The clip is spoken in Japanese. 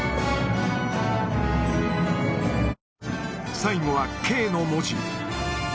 最後はＫの文字。